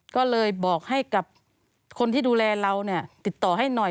ก็เลยบอกให้กับคนที่ดูแลเราเนี่ยติดต่อให้หน่อย